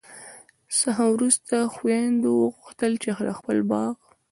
څخه وروسته خویندو وغوښتل چي د خپل باغ